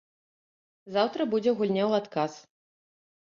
Заўтра будзе гульня ў адказ.